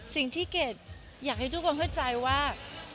สิ่งที่เกรดอยากให้ทุกคนเข้าใจว่า